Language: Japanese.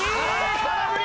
空振り！